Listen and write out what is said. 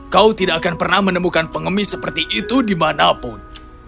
kau tidak akan pernah menemukan pengemis seperti itu di mana pun